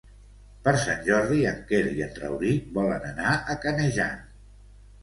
Per Sant Jordi en Quer i en Rauric volen anar a Canejan.